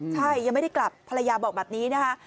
ใช่ยังไม่ได้กลับภรรยาบอกแบบนี้นะคะ